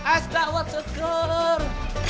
es dawat segar